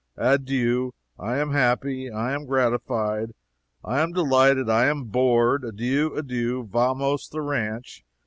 Adieu! I am happy I am gratified I am delighted I am bored. Adieu, adieu vamos the ranch!